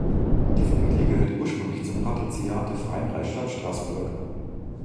Die Familie gehörte ursprünglich zum Patriziat der freien Reichsstadt Straßburg.